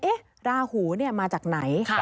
ราหูเนี่ยมาจากไหน